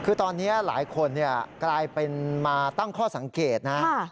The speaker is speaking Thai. คือตอนนี้หลายคนกลายเป็นมาตั้งข้อสังเกตนะ